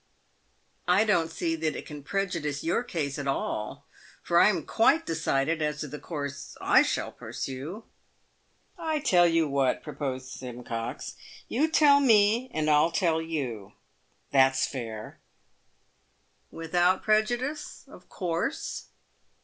" I don't see that it can prejudice your case at all, for I am quite decided as to the course J shall pursue." " I tell you what," proposed Simcox, " you tell me. and I'll tell you — that's fair." "Without prejudice, of course?"